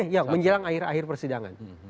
yang menjelang akhir akhir persidangan